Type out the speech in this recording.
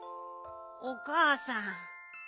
おかあさん。